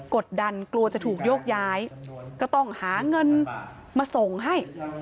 กดดันกลัวจะถูกโยกย้ายก็ต้องหาเงินมาส่งให้